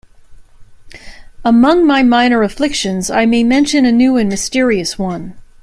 Among my minor afflictions, I may mention a new and mysterious one.